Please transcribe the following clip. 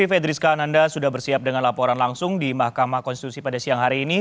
baik fed rizka ananda sudah bersiap dengan laporan langsung di mahkamah konstitusi pada siang hari ini